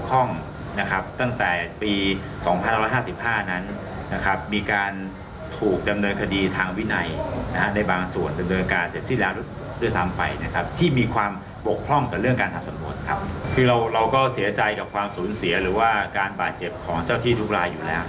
ความสูญเสียหรือว่าการบาดเจ็บของเจ้าที่ทุกรายอยู่แล้ว